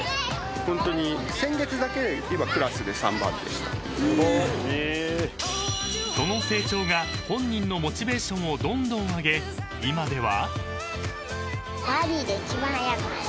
［しかし］［その成長が本人のモチベーションをどんどん上げ今では］